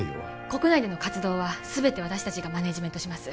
国内での活動はすべて私達がマネージメントします